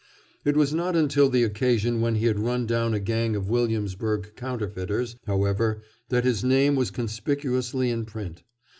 It was not until the occasion when he had run down a gang of Williamsburg counterfeiters, however, that his name was conspicuously in print.